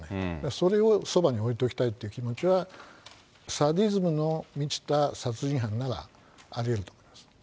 それをそばに置いときたいって気持ちは、サディズムに満ちた殺人犯ならありえると思います。